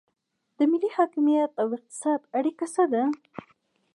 د ملي حاکمیت او اقتصاد اړیکه څه ده؟